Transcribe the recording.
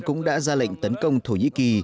cũng đã ra lệnh tấn công thổ nhĩ kỳ